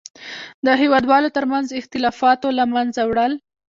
د هېوادوالو تر منځ اختلافاتو له منځه وړل.